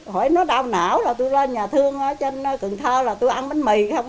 hỏi nó đau não là tôi lên nhà thương cho anh cần thao là tôi ăn bánh mì không